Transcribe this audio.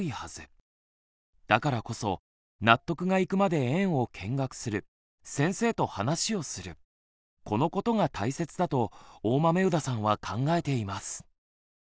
だからこそ納得がいくまで園を見学する先生と話をするこのことが大切だと大豆生田さんは考えています。